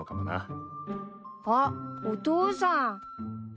あっお父さん。